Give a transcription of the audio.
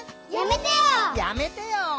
「やめてよ」